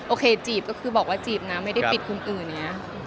โอเคจีบก็คือบอกว่าจีบนะไม่ได้ปิดคนอื่นอย่างนี้